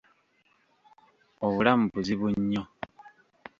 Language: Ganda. Obulamu buzibu nnyo.